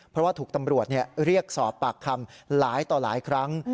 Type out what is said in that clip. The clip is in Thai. เพราะว่าถูกตำรวจเรียกสอบปากคำหลายต่อหลายครั้ง